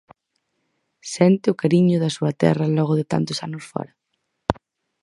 Sente o cariño da súa terra logo de tantos anos fóra?